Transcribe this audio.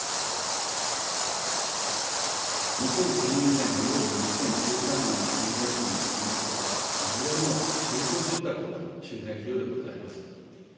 ２０１２年および２０１３年の修繕費につきましては、いずれも中古住宅の修繕費用でございます。